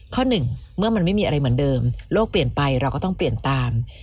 ข้อหนึ่งเมื่อมันไม่มีอะไรเหมือนเดิมโลกเปลี่ยนไปเราก็ต้องเปลี่ยนตาม